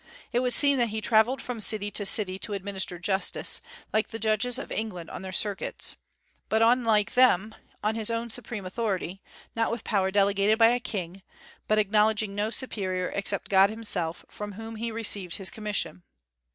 It would seem that he travelled from city to city to administer justice, like the judges of England on their circuits; but, unlike them, on his own supreme authority, not with power delegated by a king, but acknowledging no superior except God himself, from whom he received his commission.